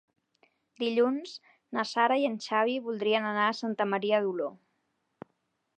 Dilluns na Sara i en Xavi voldrien anar a Santa Maria d'Oló.